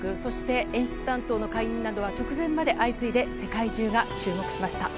演出担当の解任などが直前まで相次いで世界中が注目しました。